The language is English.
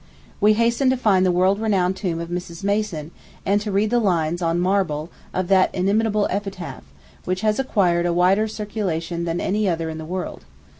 We hastened to find the world renowned tomb of Mrs. Mason, and to read the lines on marble of that inimitable epitaph, which has acquired a wider circulation than any other in the world.